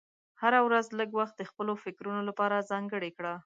هره ورځ لږ وخت د خپلو فکرونو لپاره ځانګړی کړه.